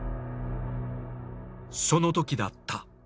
そのときだった。